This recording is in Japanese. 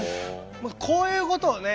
こういうことをね